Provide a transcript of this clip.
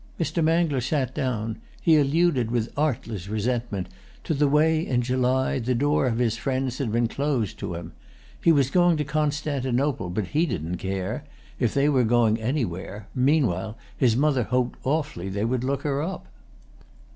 Mr. Mangler sat down; he alluded with artless resentment to the way, in July, the door of his friends had been closed to him. He was going to Constantinople, but he didn't care—if they were going anywhere; meanwhile his mother hoped awfully they would look her up.